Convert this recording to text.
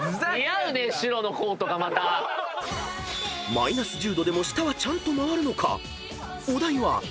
［マイナス１０℃でも舌はちゃんと回るのか？］